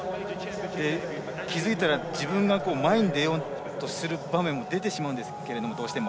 気付いたら自分が前に出ようとする場面も出てしまいますが、どうしても。